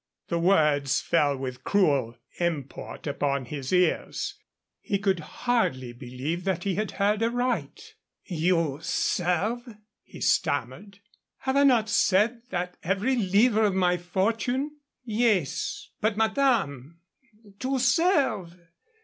The words fell with cruel import upon his ears. He could hardly believe that he had heard aright. "You serve ?" he stammered. "Have I not said that every livre of my fortune " "Yes. But, madame to serve!